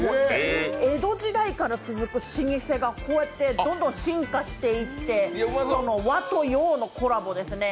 江戸時代から続く老舗がこうやってどんどん進化していって和と洋のコラボですね。